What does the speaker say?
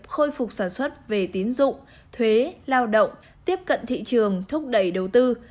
khôi phục sản xuất về tín dụng thuế lao động tiếp cận thị trường thúc đẩy đầu tư